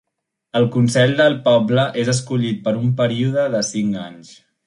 El Consell del Poble és escollit per un període de cinc anys.